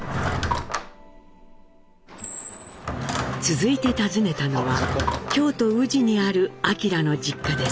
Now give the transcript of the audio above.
続いて訪ねたのは京都・宇治にある明の実家です。